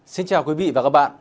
xin chào quý vị và các bạn